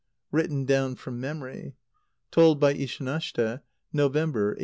(Written down from memory. Told by Ishanashte, November, 1886.)